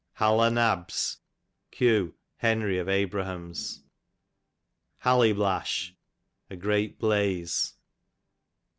Hal o' Nabs, q. Henry of Abra ham's. Halliblash, a great blaxe.